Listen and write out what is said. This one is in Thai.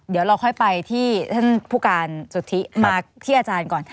เดี๋ยวเราค่อยไปที่ท่านผู้การสุทธิมาที่อาจารย์ก่อน